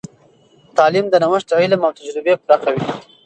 تعلیم د نوښت علم او تجربې پراخوي.